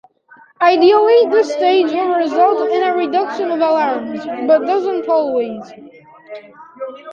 Ideally this stage will result in a reduction of alarms, but doesn't always.